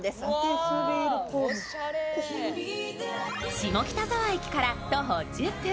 下北沢駅から徒歩１０分。